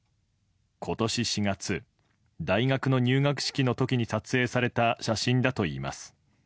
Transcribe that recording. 今年４月、大学の入学式の時に撮影された写真だといいます。